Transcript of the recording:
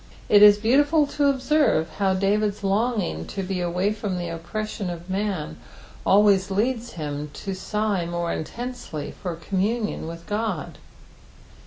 It is beautiful to observe how David's longing to be away from the oppression of man always leads him to sigh more intensely for communion with God.